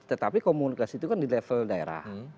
tetapi komunikasi itu kan di level daerah